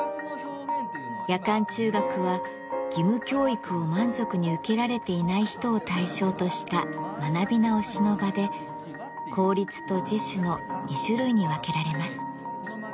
夜間中学は義務教育を満足に受けられていない人を対象とした学び直しの場で公立と自主の２種類に分けられます。